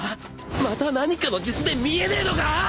また何かの術で見えねえのか！？